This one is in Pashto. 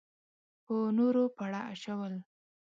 په نورو پړه اچول.